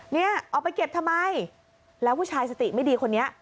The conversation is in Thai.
เนี่ยเอาไปเก็บทำไมแล้วผู้ชายสติไม่ดีคนนี้